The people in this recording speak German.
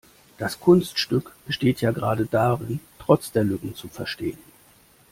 Das Kunststück besteht ja gerade darin, trotz der Lücken zu verstehen.